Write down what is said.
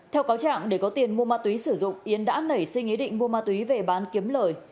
theo cáo trạng để có tiền mua ma túy sử dụng yến đã nảy sinh ý định mua ma túy về bán kiếm lời